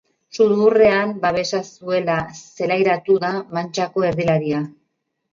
Sudurrean babesa zuela zelairatu da mantxako erdilaria.